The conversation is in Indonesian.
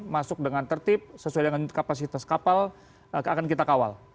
masuk dengan tertib sesuai dengan kapasitas kapal akan kita kawal